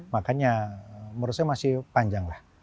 makanya menurut saya masih panjang lah